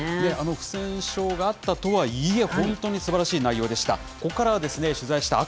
不戦勝があったとはいえ、本当にすばらしい内容でした。